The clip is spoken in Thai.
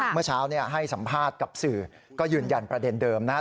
เมื่อเช้าให้สัมภาษณ์กับสื่อก็ยืนยันประเด็นเดิมนะครับ